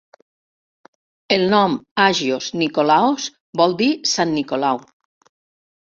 El nom Agios Nikolaos vol dir "Sant Nicolau"